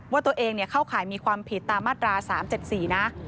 ว่าตัวเองเข้าข่ายมีความผิดตามมาตรา๓๗๔นะ